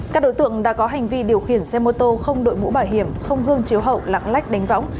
các đội tượng đã có hành vi điều khiển xe mô tô không đội mũ bảo hiểm không gương chiếu hậu lãng lách đánh võng